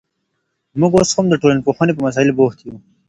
موږ اوس هم د ټولنپوهني په مسائل بوخت یو.